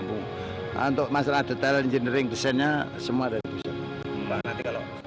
untuk masalah detail engineering desainnya semua ada di pusat